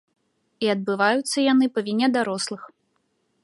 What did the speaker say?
І адбываюцца яны па віне дарослых.